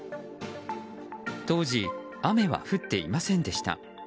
当時、雨は降っていませんでした。